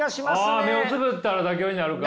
あ目をつぶったら妥協になるか。